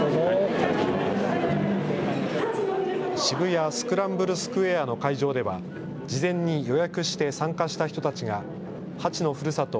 渋谷スクランブルスクエアの会場では事前に予約して参加した人たちがハチのふるさと